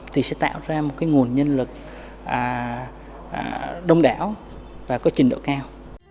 thì sẽ tạo ra một nguồn nhân lực đông đảo và có trình độ cao